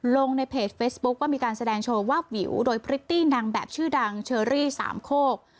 ลงในเพจเฟซบุ๊คว่ามีการแสดงโชว์วาบวิวโดยพริตตี้นางแบบชื่อดังเชอรี่สามโคก